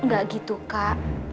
gak gitu kak